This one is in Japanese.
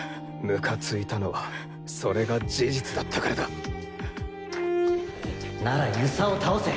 むかついたのはそれが事実だったからだなら遊佐を倒せ。